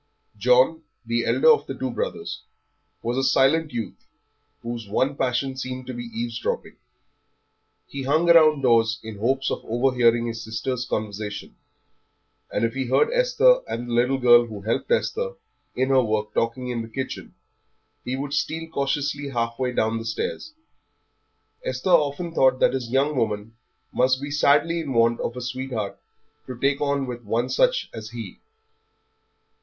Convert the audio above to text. John, the elder of the two brothers, was a silent youth whose one passion seemed to be eavesdropping. He hung round doors in the hopes of overhearing his sisters' conversation and if he heard Esther and the little girl who helped Esther in her work talking in the kitchen, he would steal cautiously halfway down the stairs. Esther often thought that his young woman must be sadly in want of a sweetheart to take on with one such as he.